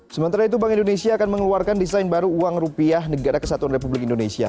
sementara itu bank indonesia akan mengeluarkan desain baru uang rupiah negara kesatuan republik indonesia